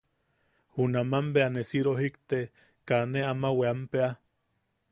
Junaman bea ne si rojikte, kaa ne ama weampea.